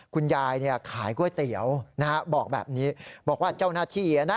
คุณยายเนี่ยขายก๋วยเตี๋ยวนะฮะบอกแบบนี้บอกว่าเจ้าหน้าที่อ่ะนะ